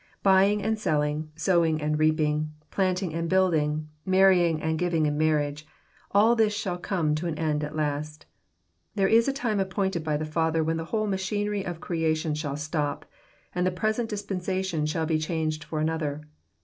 Buying and selling, sowing and reaping, planting and building, marrying and giving in marriage,— all this shall come to an end at last. There is a time ap pointed by the Father when the whole machinery of crea* tion shall stop, and the present dispensation shall be changed for another.